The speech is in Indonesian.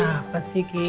kenapa sih ki